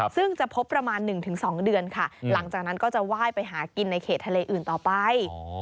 ซึ่งจะพบประมาณ๑๒เดือนค่ะหลังจากนั้นก็จะไหว้ไปหากินในเขตทะเลอื่นต่อไป